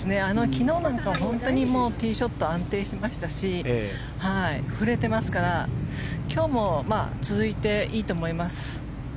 昨日なんかも本当にティーショット安定していましたし振れてますから今日も続いていいと思います。